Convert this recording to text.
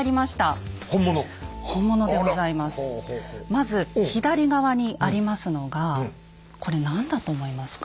まず左側にありますのがこれ何だと思いますか？